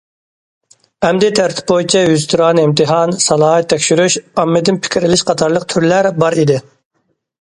ئەمدى تەرتىپ بويىچە يۈزتۇرانە ئىمتىھان، سالاھىيەت تەكشۈرۈش، ئاممىدىن پىكىر ئېلىش قاتارلىق تۈرلەر بار ئىدى.